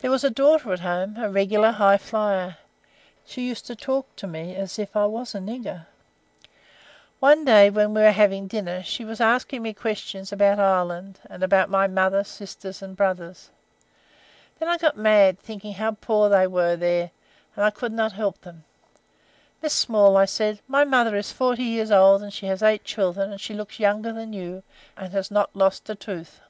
There was a daughter at home, a regular high flier. She used to talk to me as if I was a nigger. One day when we were having dinner, she was asking me questions about Ireland, and about my mother, sisters, and brothers. Then I got mad, thinking how poor they were, and I could not help them. 'Miss Small,' I said, 'my mother is forty years old, and she has eight children, and she looks younger than you do, and has not lost a tooth.'